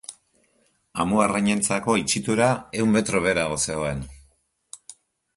Amuarrainentzako itxitura ehun metro beherago zegoen.